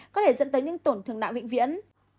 có thể dẫn tới những tổn thương não vĩnh viễn